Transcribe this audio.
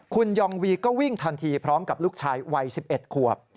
คุณยองวีก็วิ่งทันทีพร้อมกับลูกชายวัย๑๑ขวบ